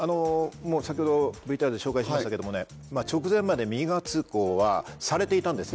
先ほどＶＴＲで紹介しましたけども直前まで右側通行はされていたんですね。